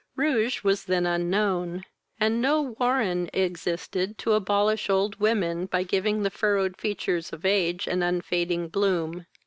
Rouge was then unknown, and no Warren existed to abolish old women, by giving the furrowed features of age an unfading bloom.